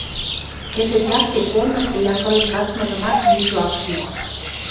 Кӹзӹт якте корнышты янгылен каштмыжымат Митю ак шиж